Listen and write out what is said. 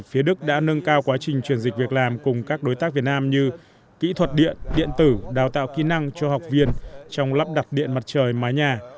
phía đức đã nâng cao quá trình chuyển dịch việc làm cùng các đối tác việt nam như kỹ thuật điện điện tử đào tạo kỹ năng cho học viên trong lắp đặt điện mặt trời mái nhà